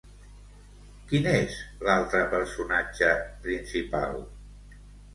Quin és l'altre personatge principal?